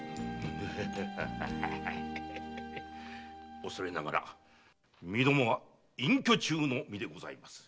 おそれながら身共は隠居中の身でございます。